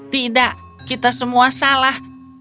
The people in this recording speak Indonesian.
tidak kita semua salah